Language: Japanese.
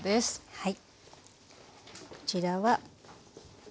はい。